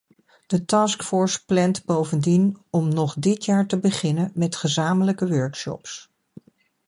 De taskforce plant bovendien om nog dit jaar te beginnen met gezamenlijke workshops .